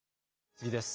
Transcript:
次です。